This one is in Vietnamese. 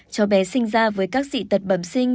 cho bé sinh ra với các dị tật bẩm sinh